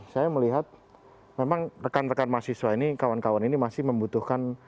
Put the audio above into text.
saya melihat memang rekan rekan mahasiswa ini kawan kawan ini masih membutuhkan